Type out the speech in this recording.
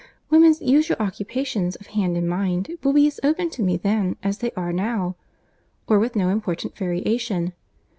Woman's usual occupations of hand and mind will be as open to me then as they are now; or with no important variation.